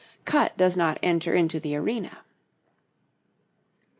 Cut does not enter into the arena.